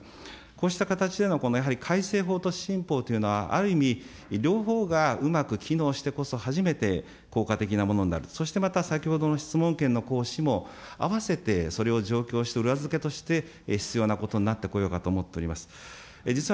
こうした形でのやはり改正法と新法というのは、ある意味、両方がうまく機能してこそ初めて効果的なものになる、そしてまた、先ほどの質問権の行使も、合わせてそれを状況として、裏付けとして必要なことになってこようかと思っております。